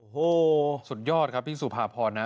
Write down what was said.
โอ้โหสุดยอดครับพี่สุภาพรนะ